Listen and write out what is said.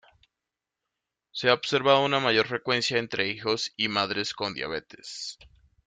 Se ha observado una mayor frecuencia entre hijos y madres con diabetes.